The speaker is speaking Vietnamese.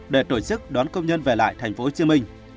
để tổ chức đón công nhân về lại tp hcm